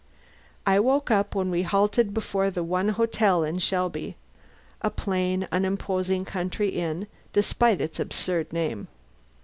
I woke up when we halted before the one hotel in Shelby a plain, unimposing country inn, despite its absurd name.